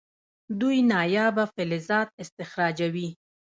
دوی نایابه فلزات استخراجوي.